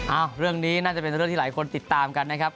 เรื่องนี้น่าจะเป็นเรื่องที่หลายคนติดตามกันนะครับ